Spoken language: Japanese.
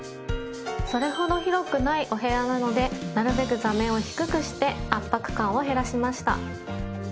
それほど広くないお部屋なのでなるべく座面を低くして圧迫感を減らしました。